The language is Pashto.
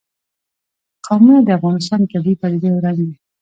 قومونه د افغانستان د طبیعي پدیدو یو رنګ دی.